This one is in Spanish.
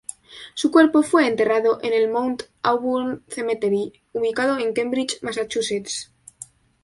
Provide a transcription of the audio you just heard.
Su cuerpo fue enterrado en el Mount Auburn Cemetery, ubicado en Cambridge, Massachusetts.